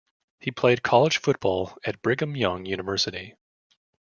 He played college football at Brigham Young University.